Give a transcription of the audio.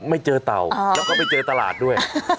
ไม่เจอเต่าแล้วก็ไม่เจอตลาดด้วย